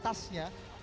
orang orang yang berharga